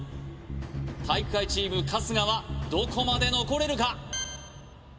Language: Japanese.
体育会チーム春日はどこまで残れるか？